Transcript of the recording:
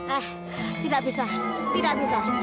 ah tidak bisa tidak bisa